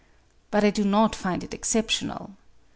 But I do not find it exceptional.